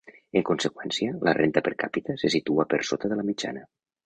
En conseqüència, la renda per càpita se situa per sota de la mitjana.